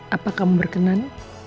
apa kamu berkenan